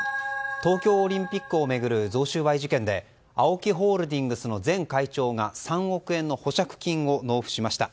東京オリンピックを巡る贈収賄事件でＡＯＫＩホールディングスの前会長が３億円の保釈金を納付しました。